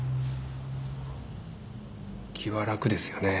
気は楽ですよね